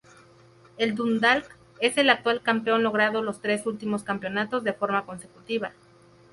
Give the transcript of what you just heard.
El Dundalk es el actual campeón logrando los tres últimos campeonatos de forma consecutiva.